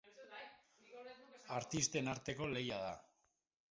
Artisten arteko lehia da.